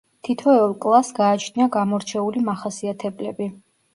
თითოეულ კლასს გააჩნია გამორჩეული მახასიათებლები.